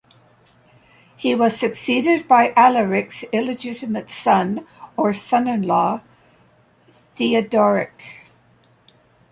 He was succeeded by Alaric's illegitimate son or son in law Theodoric.